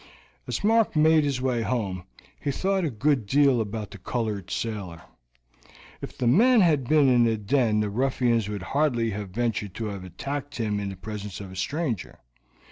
As Mark made his way home he thought a good deal about the colored sailor. If the man had been in the den the ruffians would hardly have ventured to have attacked him in the presence of a stranger.